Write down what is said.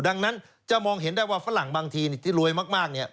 ดังนั้นจะมองเห็นได้ว่าฝรั่งบางทีที่รวยมาก